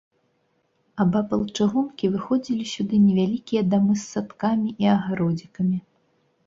Абапал чыгункі выходзілі сюды невялікія дамы з садкамі і агародзікамі.